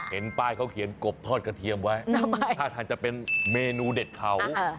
เห็นป้ายเขาเขียนกบทอดกระเทียมไว้ท่าทางจะเป็นเมนูเด็ดเขา